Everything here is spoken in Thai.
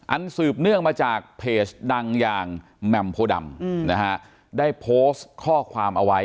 สืบเนื่องมาจากเพจดังอย่างแหม่มโพดำนะฮะได้โพสต์ข้อความเอาไว้